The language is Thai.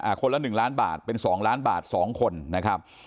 คนละหนึ่งล้านบาทเป็นสองล้านบาทสองคนนะครับ